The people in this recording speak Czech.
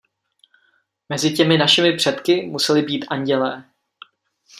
Mezi těmi našimi předky museli být andělé.